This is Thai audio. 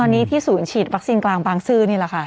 ตอนนี้ที่ศูนย์ฉีดวัคซีนกลางบางซื่อนี่แหละค่ะ